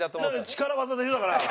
力技でしょだから。